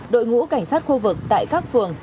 đội ngũ cảnh sát khu vực tại các phường